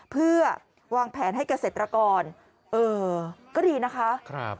เพื่อวางแผนให้เกษตรกรก็ดีนะคะ